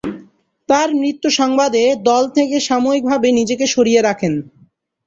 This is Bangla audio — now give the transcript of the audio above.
তার মৃত্যু সংবাদে দল থেকে সাময়িকভাবে নিজেকে সরিয়ে রাখেন।